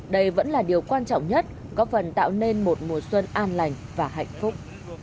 đây vẫn là điều quan trọng nhất có phần tạo nên một mùa xuân an lành và hạnh phúc